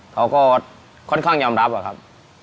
เขาก็ค่อนข้างยอมรับอะครับ